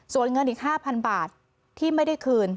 ส่วนเงินอีก๕๐๐๐บาทที่ไม่ได้คืน